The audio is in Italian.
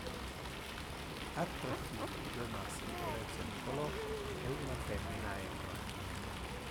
Ha tre figli: due maschi, Lorenzo e Niccolò, e una femmina, Emma.